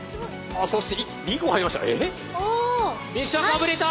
そして２個入りました。